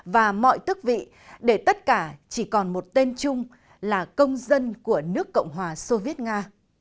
và mọi thức vị để tất cả chỉ còn một tên chung là công dân của nước cộng hòa soviet nga